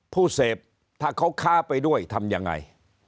ผู้เสพถ้าเขาค้าไปด้วยทำยังไง